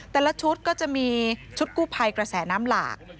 แต่ละชุดก็จะมีชุดกู้ภัยกระแสน้ำหลาก